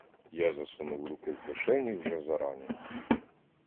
Я засунув руки в кишені вже зарані.